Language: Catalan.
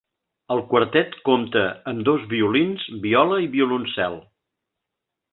El quartet compta amb dos violins, viola i violoncel.